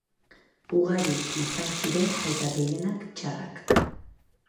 Ugari izan ziren eta gehienak txarrak.